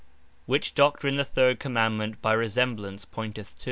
Which doctrine the third Commandement by resemblance pointeth to.